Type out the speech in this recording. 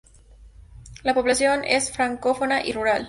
La población es francófona y rural.